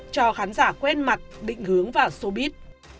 cho khán giả quen mặt định hướng và showbiz